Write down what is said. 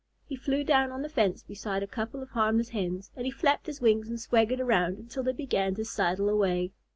He flew down on the fence beside a couple of harmless Hens, and he flapped his wings and swaggered around until they began to sidle away.